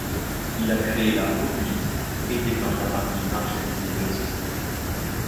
Il a créé l'art populiste et dépeint la partie marginalisée de la société.